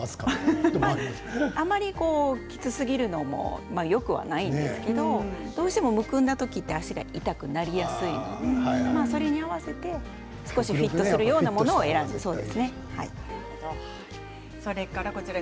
あまりキツすぎるのもよくないんですけれどもどうしてもむくんだ時には足が痛くなりやすいそれに合わせて少しフィットするようなものを選んでください。